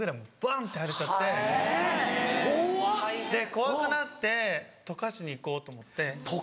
怖くなって溶かしに行こうと思って。